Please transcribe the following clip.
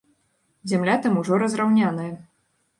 Зямля там ужо разраўняная.